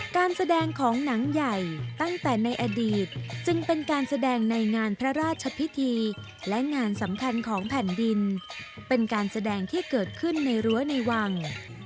การแสดงของหนังใหญ่ตั้งแต่ในอดีตจึงเป็นการแสดงในงานพระราชพิธีและงานสำคัญของแผ่นดินเป็นการแสดงที่เกิดขึ้นในรั้วในวัง